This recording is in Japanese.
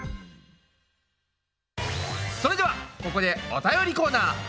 それではここでお便りコーナー。